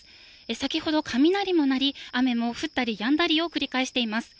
先ほど、雷も鳴り、雨も降ったりやんだりを繰り返しています。